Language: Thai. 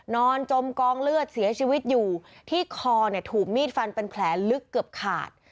จมกองเลือดเสียชีวิตอยู่ที่คอเนี่ยถูกมีดฟันเป็นแผลลึกเกือบขาด